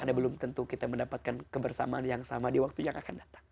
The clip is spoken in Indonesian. karena belum tentu kita mendapatkan kebersamaan yang sama di waktu yang akan datang